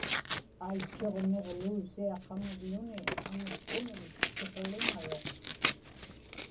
aitchuġniġluusiaqaŋavluni aŋatkumiñ tuquliŋaruq